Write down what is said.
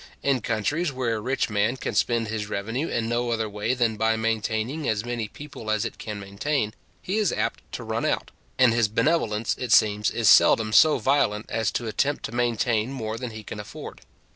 In countries where a rich man can spend his revenue in no other way than by maintaining as many people as it can maintain, he is apt to run out, and his benevolence, it seems, is seldom so violent as to attempt to maintain more than he can afford.